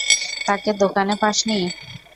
তাকে দোকানে পাস নি?